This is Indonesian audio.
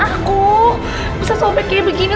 aku bisa sobek kayak begini